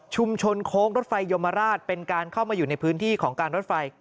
โค้งรถไฟยมราชเป็นการเข้ามาอยู่ในพื้นที่ของการรถไฟ